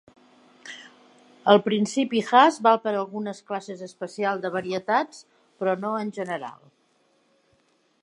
El principi Hasse val per a algunes classes especials de varietats, però no en general.